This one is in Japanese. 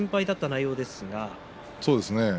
そうですね。